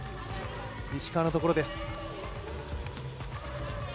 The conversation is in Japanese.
石川のところです。